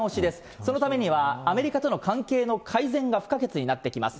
そのためには、アメリカとの関係の改善が不可欠になってきます。